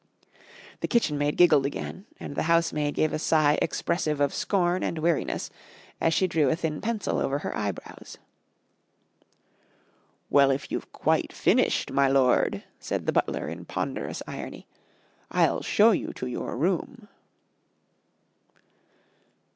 The kitchen maid giggled again, and the housemaid gave a sigh expressive of scorn and weariness as she drew a thin pencil over her eyebrows. "Well, if you've quite finished, my lord," said the butler in ponderous irony, "I'll show you to your room."